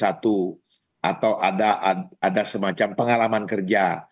atau ada semacam pengalaman kerja